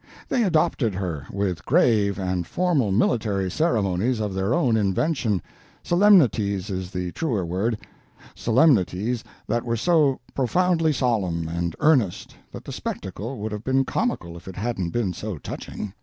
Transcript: They adopted her, with grave and formal military ceremonies of their own invention—solemnities is the truer word; solemnities that were so profoundly solemn and earnest, that the spectacle would have been comical if it hadn't been so touching.